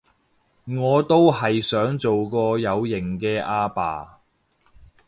我都係想做下有型嘅阿爸